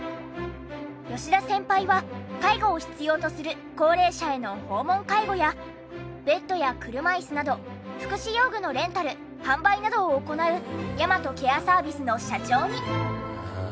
吉田先輩は介護を必要とする高齢者への訪問介護やベッドや車椅子など福祉用具のレンタル販売などを行う倭ケアサービスの社長に。